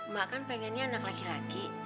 mak kan pengennya anak laki laki